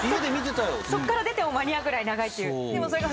そこから出ても間に合うぐらい長いっていう。